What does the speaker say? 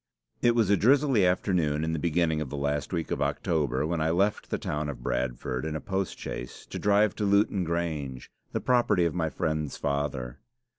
"It was a drizzly afternoon in the beginning of the last week of October when I left the town of Bradford in a post chaise to drive to Lewton Grange, the property of my friend's father.